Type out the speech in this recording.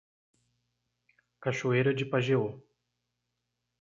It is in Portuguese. Cachoeira de Pajeú